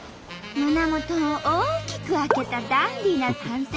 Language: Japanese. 胸元を大きく開けたダンディーな男性を発見！